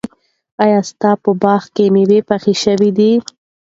ایا ستا په باغ کې مېوې پخې شوي دي؟